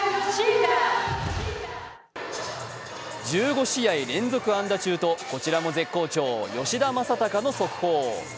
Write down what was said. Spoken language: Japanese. １５試合連続安打中とこちらも絶好調、吉田正尚の速報。